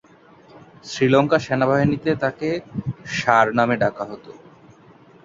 শ্রীলঙ্কা সেনাবাহিনীতে তাকে 'ষাঁড়' নামে ডাকা হতো।